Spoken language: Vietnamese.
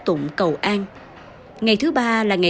từ ngày một mươi bốn đến ngày một mươi sáu tháng chín